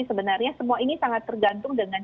sebenarnya semua ini sangat tergantung dengan